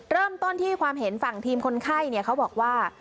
เริ่มต้นที่ความเห็นฝั่งทีมคนไข้เขาบอกว่า